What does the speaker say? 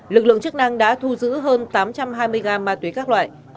lực lượng chức năng đã thu giữ hơn tám trăm hai mươi gam ma túy các loại